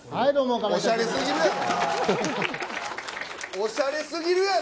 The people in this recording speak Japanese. おしゃれすぎるやろ。